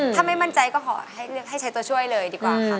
ถ้าไม่มั่นใจก็ขอให้ใช้ตัวช่วยเลยดีกว่าค่ะ